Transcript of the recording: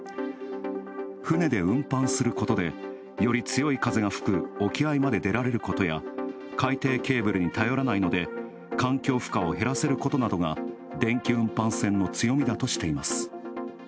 船で運搬することでより強い風が吹く沖合まで出られることや海底ケーブルに頼らないので環境負荷を減らせることなどが電気運搬船の強みだとしています。